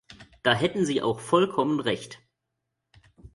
Da hätten Sie auch vollkommen recht.